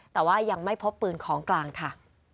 แต่ว่ายังไม่พบปืนของกลางค่ะ